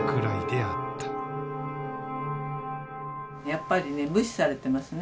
やっぱりね無視されてますね。